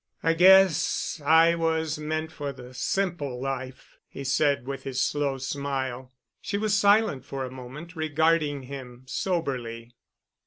"I guess I was meant for the simple life," he said, with his slow smile. She was silent for a moment, regarding him soberly.